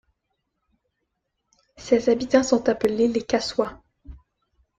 Ses habitants sont appelés les Casois.